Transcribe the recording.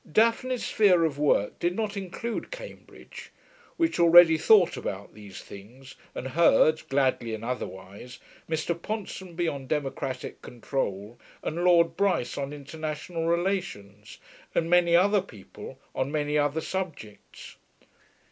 Daphne's sphere of work did not include Cambridge, which already thought about these things, and heard, gladly and otherwise, Mr. Ponsonby on Democratic Control and Lord Bryce on International Relations, and many other people on many other subjects.